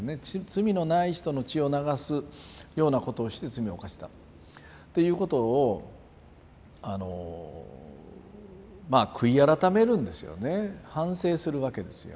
罪のない人の血を流すようなことをして罪を犯したっていうことをまあ悔い改めるんですよね反省するわけですよ。